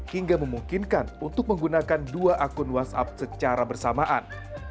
hingga memungkinkan untuk menggunakan dua akun whatsapp secara bersamaan